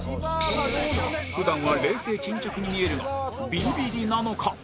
普段は冷静沈着に見えるがビビリなのか？